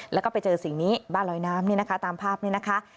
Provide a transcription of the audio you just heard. แล้วก็ไปเจอสิ่งนี้บ้านลอยน้ำนี่นะคะตามภาพนี้นะคะ